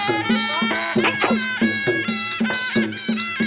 อะไรวะเนี่ย